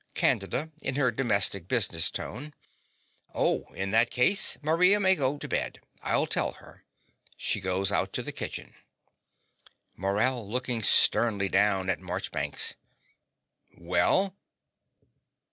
CANDIDA (in her domestic business tone). Oh; in that case, Maria may go to bed. I'll tell her. (She goes out to the kitchen.) MORELL (looking sternly down at Marchbanks). Well?